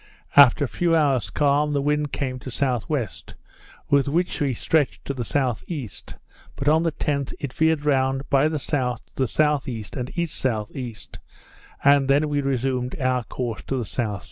After a few hours calm the wind came to S.W.; with which we stretched to the S.E.; but on the 10th, it veered round by the south to the S.E. and E.S.E. and then we resumed our course to the S.S.